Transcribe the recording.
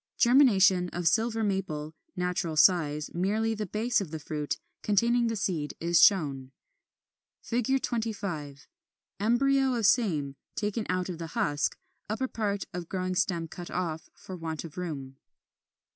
Germination of Silver Maple, natural size; merely the base of the fruit, containing the seed, is shown. 25. Embryo of same, taken out of the husk; upper part of growing stem cut off, for want of room.